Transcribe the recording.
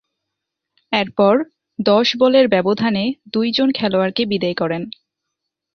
এরপর, দশ বলের ব্যবধানে দুইজন খেলোয়াড়কে বিদেয় করেন।